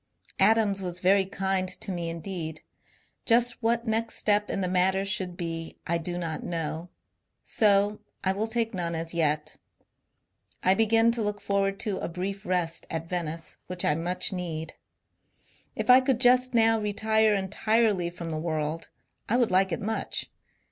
Adams was very kind to me indeed. Just what next step in the matter should be I do not know ; so I will take none as yet. I begin to look forward to 428 MONCURE DANIEL CONWAY a brief rest at Venice, which I much need. If I could just now retire entirely from the world I would like it much.